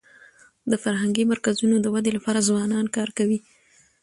د فرهنګي مرکزونو د ودي لپاره ځوانان کار کوي.